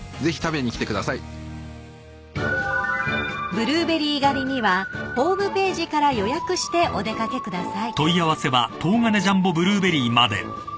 ［ブルーベリー狩りにはホームページから予約してお出掛けください］